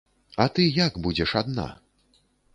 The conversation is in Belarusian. А ты як будзеш адна?